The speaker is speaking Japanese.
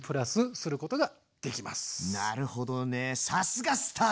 さすがスターだね。